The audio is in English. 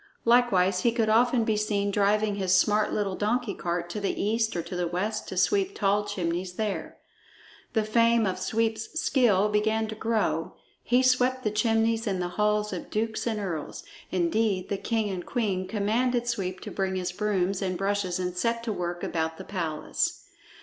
Likewise he could often be seen driving his smart little donkey cart to the east or to the west to sweep tall chimneys there. The fame of Sweep's skill began to grow; he swept the chimneys in the halls of dukes and earls. Indeed, the king and queen commanded Sweep to bring his brooms and brushes and set to work about the palace.